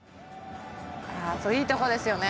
ああいいとこですよね。